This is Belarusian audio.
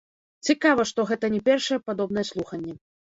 Цікава, што гэта не першыя падобныя слуханні.